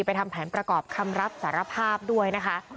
ทำแผนประกอบคำรับสารภาพด้วยนะคะ